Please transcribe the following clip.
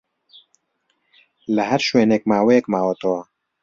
لە ھەر شوێنێک ماوەیەک ماوەتەوە